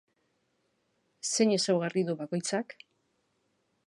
Zein ezaugarri du bakoitzak?